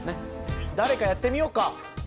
誰かやってみようか。